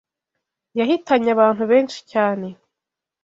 yahitanye abantu benshi cyane.